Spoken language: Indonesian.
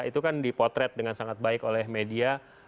itu kan dipotret dengan sangat baik oleh media